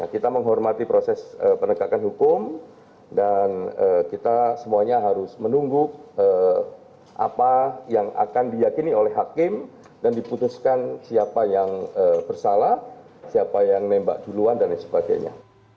kita menghormati proses penegakan hukum dan kita semuanya harus menunggu apa yang akan diyakini oleh hakim dan diputuskan siapa yang bersalah siapa yang nembak duluan dan lain sebagainya